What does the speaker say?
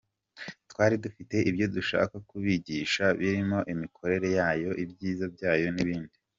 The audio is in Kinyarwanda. Twari dufite ibyo dushaka kubigisha birimo imikorere yayo, ibyiza byayo n’ibindi.